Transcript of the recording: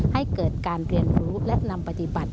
ให้เกิดการเรียนรู้และนำปฏิบัติ